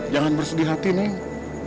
jangan bersedih hati neng